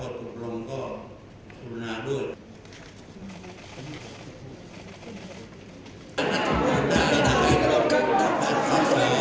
ธุรนาการบุคลมก็ธุรนาด้วย